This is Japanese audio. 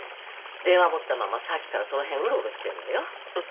電話持ったままさっきからその辺うろうろしてるのよ。